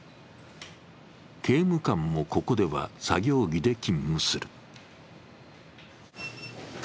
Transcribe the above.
刑務官も、ここでは作業着で勤務する。